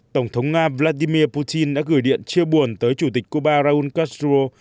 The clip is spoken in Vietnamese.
tổng thống nga vladimir putin đã gửi điện chia buồn tới chủ tịch cuba raúl castro